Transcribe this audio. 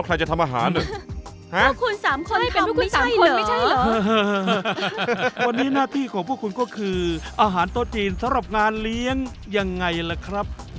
วันนี้หน้าที่กันก็คืออาหารโต๊ะจีนสำหรับงานเลี้ยงอย่างไรแหละครับ